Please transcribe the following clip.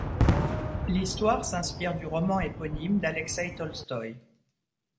L'histoire s'inspire du roman éponyme d'Alexei Tolstoï.